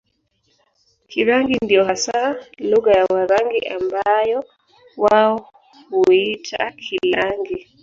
Kirangi ndiyo hasa lugha ya Warangi ambayo wao huiita Kilaangi